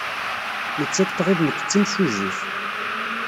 Nettat tɣil nekk d timsujjit.